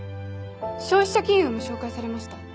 消費者金融も紹介されました。